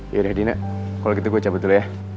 yaudah dina kalau gitu gue cabut dulu ya